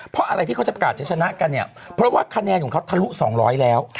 เพราะอะไรที่เขาจะประกาศจะชนะกันเนี่ยเพราะว่าคะแนนของเขาทะลุ๒๐๐แล้ว